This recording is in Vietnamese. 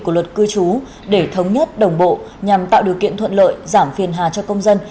của luật cư trú để thống nhất đồng bộ nhằm tạo điều kiện thuận lợi giảm phiền hà cho công dân